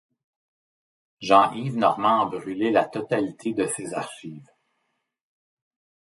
Jean-Yves Normand a brûlé la totalité de ses archives.